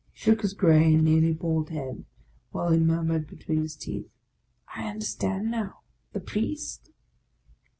He shook his grey and nearly bald head, while he mur mured between his teeth, " I understand now, — the Priest